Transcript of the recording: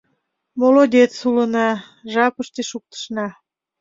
— Молодец улына, жапыште шуктышна.